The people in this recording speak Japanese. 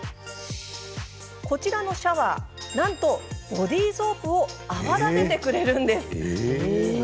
こちらのシャワーなんとボディーソープを泡立ててくれるんです。